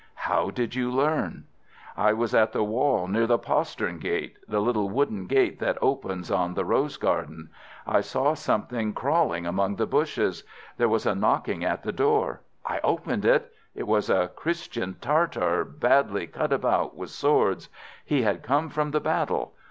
"How did you learn?" "I was at the wall near the postern gate—the little wooden gate that opens on the rose garden. I saw something crawling among the bushes. There was a knocking at the door. I opened it. It was a Christian Tartar, badly cut about with swords. He had come from the battle.